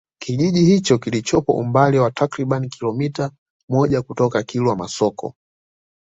Kijiji hicho kilichopo umbali wa takribani kilometa moja kutoka Kilwa Masoko